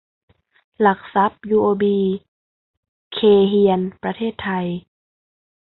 หลักทรัพย์ ยูโอบี เคย์เฮียน ประเทศไทย